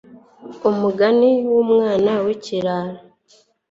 umugani w'umwana w'ikirara